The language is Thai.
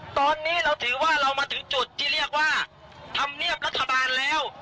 ตอนนี้เราถือว่าเรามาถึงจุดที่เรียกว่าธรรมเนียบรัฐบาลแล้ว